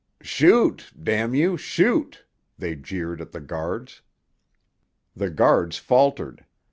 "Shoot, —— you, shoot!" they jeered at the guards. The guards faltered.